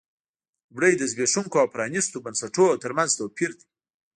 لومړی د زبېښونکو او پرانیستو بنسټونو ترمنځ توپیر دی.